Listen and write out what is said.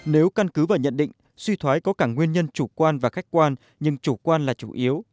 nếu căn cứ và nhận định suy thoái có cả nguyên nhân chủ quan và khách quan nhưng chủ quan là chủ yếu